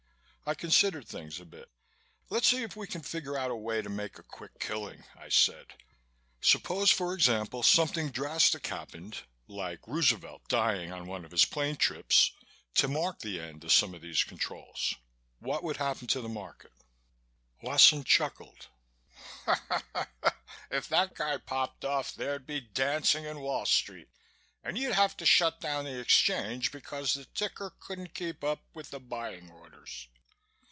I considered things a bit. "Let's see if we can figure out a way to make a quick killing," I said. "Suppose, for example, something drastic happened like Roosevelt dying on one of his plane trips to mark the end of some of these controls. What would happen to the market?" Wasson chuckled. "If that guy popped off, there'd be dancing in Wall Street and you'd have to shut down the Exchange because the ticker couldn't keep up with the buying orders.